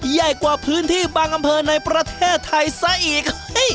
ใหญ่กว่าพื้นที่บางอำเภอในประเทศไทยซะอีก